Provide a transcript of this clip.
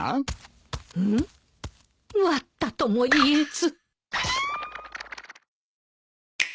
割ったとも言えず。